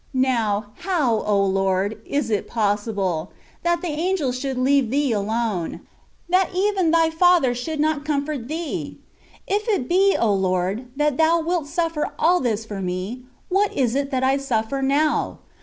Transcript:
Now, how O Lord ! is it possible, that the angels should leave Thee alone ? That even Thy Father should not comfort Thee ? If it be, O Lord ! that Thou wilt suflfer all this for me, what is it that I suflfer now?